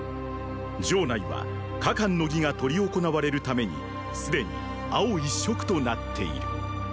城内は「加冠の儀」が執り行われるためにすでに青一色となっている。